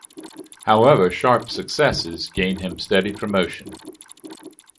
However, Sharpe's successes gain him steady promotion.